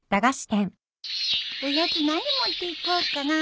おやつ何持っていこっかな。